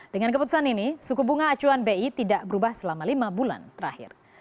dengan keputusan ini suku bunga acuan bi tidak berubah selama lima bulan terakhir